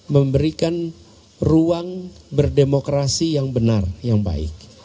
memberikan ruang berdemokrasi yang benar yang baik